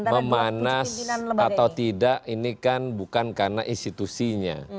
memanas atau tidak ini kan bukan karena institusinya